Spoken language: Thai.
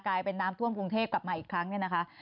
กลายเป็นน้ำท่วมกรุงเทพกลับมาอีกครั้งเนี่ยนะคะ